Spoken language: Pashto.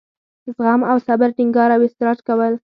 زغم او صبر ټینګار او اصرار کول.